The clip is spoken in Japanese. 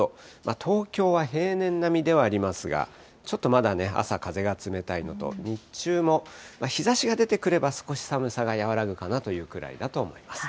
東京は平年並みではありますが、ちょっとまだね、朝、風が冷たいのと、日中も日ざしが出てくれば、少し寒さが和らぐかなというぐらいです。